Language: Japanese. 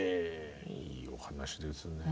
いいお話ですねぇ。